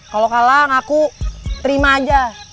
kalau kalang aku terima aja